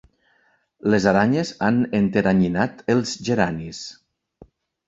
Les aranyes han enteranyinat els geranis.